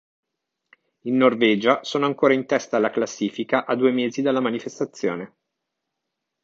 In Norvegia sono ancora in testa alla classifica a due mesi dalla manifestazione.